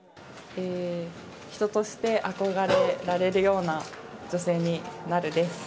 人として憧れられるような女性になるです。